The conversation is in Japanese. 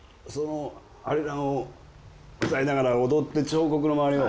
「アリラン」を歌いながら踊って彫刻の周りを。